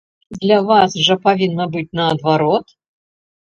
Для вас жа павінна быць наадварот?